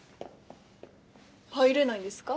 入れないんですか？